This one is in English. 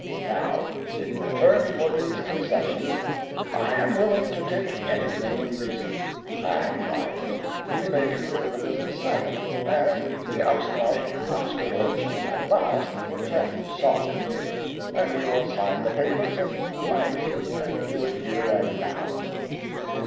Now, in return for these concessions, I am willing to take anything in reason, and I think we may consider the business settled and the ausgleich ausgegloschen at last for ten solid years, and we will sign the papers in blank, and do it here and now.